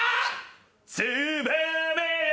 「つばめよ」